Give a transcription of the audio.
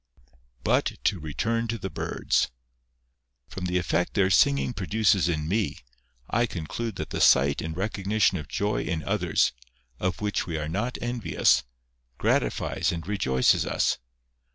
But to return to the birds. From the effect their singing produces in me, I conclude that the sight and recognition of joy in others, of which we are not envious, gratifies and rejoices us.